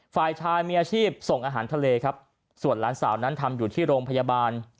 ฝ่ายชายมีอาชีพส่งอาหารทะเลครับส่วนหลานสาวนั้นทำอยู่ที่โรงพยาบาล